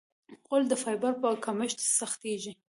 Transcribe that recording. غول د فایبر په کمښت سختېږي.